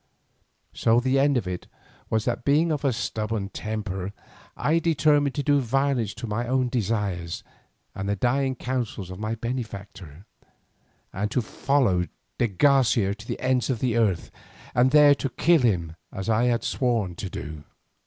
So the end of it was that being of a stubborn temper, I determined to do violence to my own desires and the dying counsels of my benefactor, and to follow de Garcia to the ends of the earth and there to kill him as I had sworn to do.